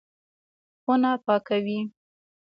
خونه پاکوي.